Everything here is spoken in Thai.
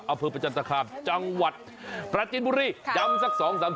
อำเภอประจันทคาบจังหวัดประจินบุรีครับยำสักสองสาม